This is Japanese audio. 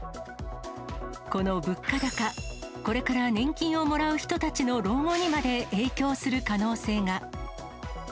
この物価高、これから年金をもらう人たちの老後にまで、影響する可能性が。